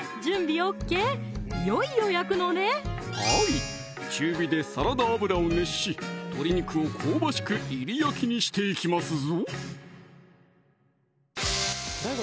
いよいよ焼くのねはい中火でサラダ油を熱し鶏肉を香ばしくいり焼きにしていきますぞ